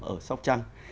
ở sóc trăng